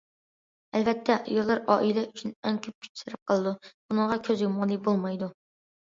ئەلۋەتتە، ئاياللار ئائىلە ئۈچۈن ئەڭ كۆپ كۈچ سەرپ قىلىدۇ، بۇنىڭغا كۆز يۇمغىلى بولمايدۇ.